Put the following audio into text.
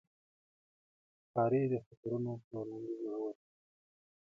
ښکاري د خطرونو پر وړاندې زړور دی.